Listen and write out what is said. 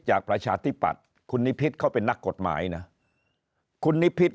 ประชาธิปัตย์คุณนิพิษเขาเป็นนักกฎหมายนะคุณนิพิษ